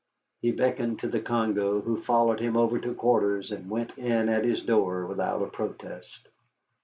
He beckoned to the Congo, who followed him over to quarters and went in at his door without a protest.